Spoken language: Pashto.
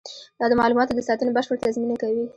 دا د معلوماتو د ساتنې بشپړ تضمین نه کوي.